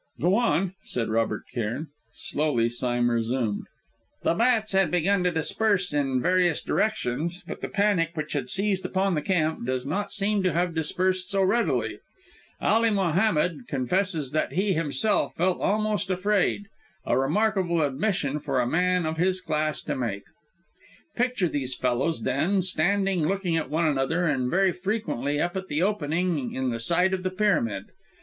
"Go on," said Robert Cairn. Slowly Sime resumed: "The bats had begun to disperse in various directions, but the panic which had seized upon the camp does not seem to have dispersed so readily. Ali Mohammed confesses that he himself felt almost afraid a remarkable admission for a man of his class to make. Picture these fellows, then, standing looking at one another, and very frequently up at the opening in the side of the pyramid.